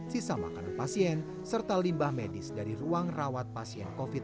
sisa makanan pasien serta limbah medis dari ruang rawat pasien covid sembilan belas